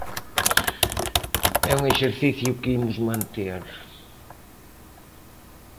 É un exercicio que imos manter.